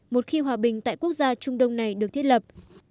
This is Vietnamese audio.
một khi hòa bình tại quốc gia trung đông này được thiết lập